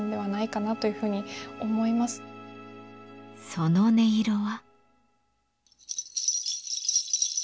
その音色は。